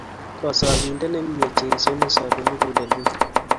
Kosobindet ne mie Jesu Ne soobi mugulelwek.